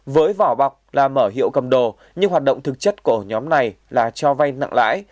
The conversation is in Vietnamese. với vỏ bọc là mở hiệu cầm đồ nhưng hoạt động thực chất của ổ nhóm này là cho vay nặng lãi